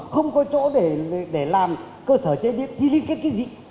không có chỗ để làm cơ sở chế biến thì liên kết cái gì